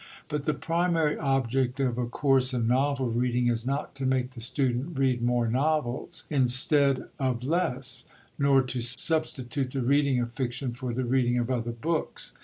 But the primary object of a course in novel reading is not to make the student read more novels, instead of less, nor to substitute the reading of fiction for the reading of other books.